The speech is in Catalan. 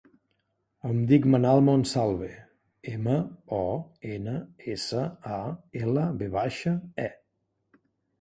Em dic Manal Monsalve: ema, o, ena, essa, a, ela, ve baixa, e.